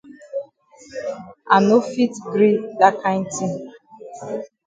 I no fit gree dat kind tin.